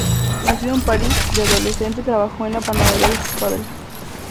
Nacido en París, de adolescente trabajó en la panadería de sus padres.